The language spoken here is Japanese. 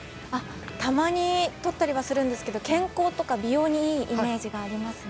たまにとったりはするんですけれども健康とか美容にいいイメージがありますね。